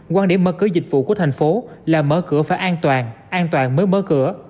quan điểm mở cửa dịch vụ của thành phố là mở cửa phải an toàn an toàn mới mở cửa